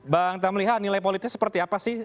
bang tamliha nilai politis seperti apa sih